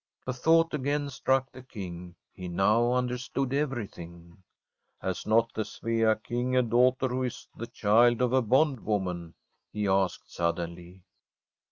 A thought again struck the King; he now understood everything. * Has not the Svea King a daughter who is the child of a bondwoman ?' he asked suddenly.